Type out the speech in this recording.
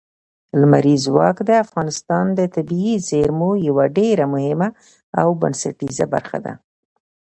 لمریز ځواک د افغانستان د طبیعي زیرمو یوه ډېره مهمه او بنسټیزه برخه ده.